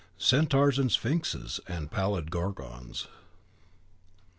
(Centaurs and Sphinxes and pallid Gorgons.)